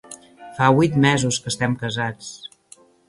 Fa huit mesos que estem casats.